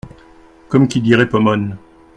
Comme qui dirait Pomone…